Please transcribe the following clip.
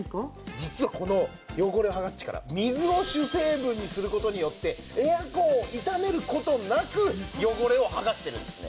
実はこの汚れを剥がす力水を主成分にする事によってエアコンを傷める事なく汚れを剥がしてるんですね。